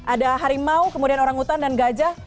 ada harimau kemudian orang utan dan gajah